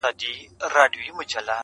په دربار کي یې څو غټ سړي ساتلي،